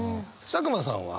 佐久間さんは？